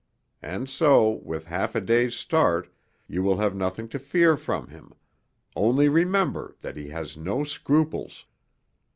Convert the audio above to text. And so, with half a day's start, you will have nothing to fear from him only remember that he has no scruples.